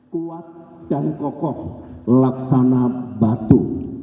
kuat dan kokoh laksana batu